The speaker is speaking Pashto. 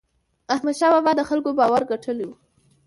احمدشاه بابا د خلکو باور ګټلی و.